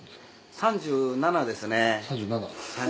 ３７ですね。